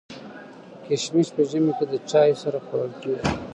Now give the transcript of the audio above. کشمش په ژمي کي د چايو سره خوړل کيږي.